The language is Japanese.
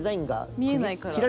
見えないから。